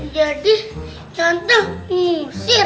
jadi tante ngusir